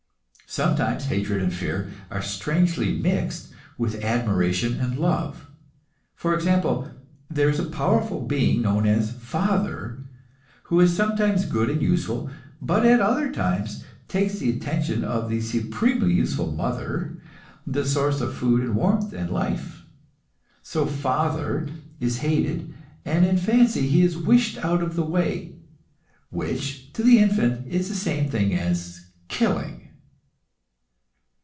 Sometimes hatred and fear are strangely mixed with admiration and love. For example, there is a powerful being known as "father," who is sometimes good and useful, but at other times takes the attention of the supremely useful "mother," the source of food and warmth and life. So "father" is hated, and in fancy he is wished out of the way which to the infant is the same thing as killing.